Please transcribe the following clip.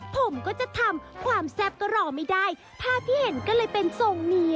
ผมก็จะทำความแซ่บก็รอไม่ได้ภาพที่เห็นก็เลยเป็นทรงนี้